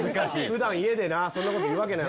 普段そんなこと言うわけない。